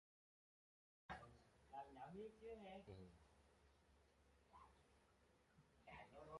Nhưng mà vì con Thảo ngăn lại nên là con Thảo mới chết